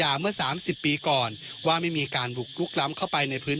และอาหารด้านบน